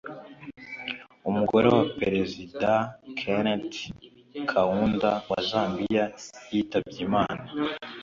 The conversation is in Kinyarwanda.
umugore wa perezida Kenneth Kaunda wa Zambia yitabye Imana